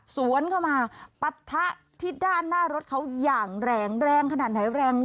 สวนเข้ามาปะทะที่ด้านหน้ารถเขาอย่างแรงแรงขนาดไหนแรง